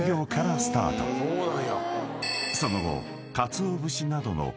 ［その後］